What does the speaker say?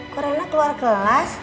kok rena keluar kelas